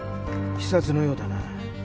刺殺のようだな。